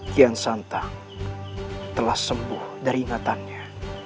kian santa telah sembuh dari ingatannya